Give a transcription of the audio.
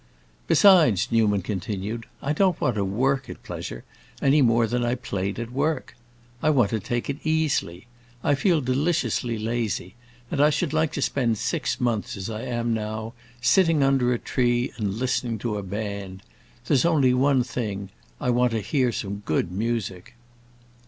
"Besides," Newman continued, "I don't want to work at pleasure, any more than I played at work. I want to take it easily. I feel deliciously lazy, and I should like to spend six months as I am now, sitting under a tree and listening to a band. There's only one thing; I want to hear some good music."